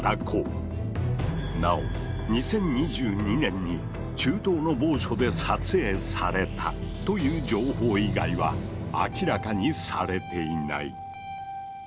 なお２０２２年に中東の某所で撮影されたという情報以外は明らかにされていない。